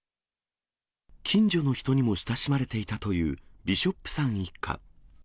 近所の人にも親しまれていたというビショップさん一家。